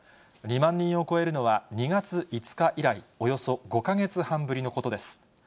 ２万人を超えるのは２月５日以来、およそ５か月半ぶりのことです。